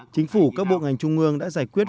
chính phủ các bộ ngành trung ương đã giải quyết